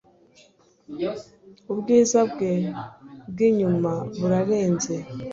ubwiza bwe bwinyuma burarenze